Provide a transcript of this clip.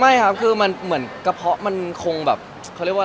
ไม่ครับคือเหมือนกระเพาะมันคงอยู่ตัวแบบนี้มาสักพัก